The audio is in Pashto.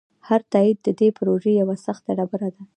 هر تایید د دې پروژې یوه سخته ډبره ده.